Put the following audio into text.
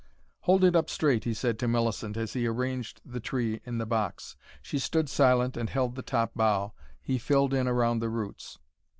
"Hold it up straight," he said to Millicent, as he arranged the tree in the box. She stood silent and held the top bough, he filled in round the roots.